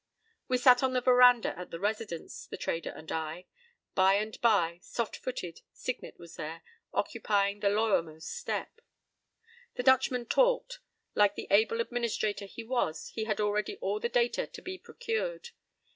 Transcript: p> We sat on the veranda at the Residence, the trader and I. By and by, soft footed, Signet was there, occupying the lowermost step. The Dutchman talked. Like the able administrator he was, he had already all the data to be procured.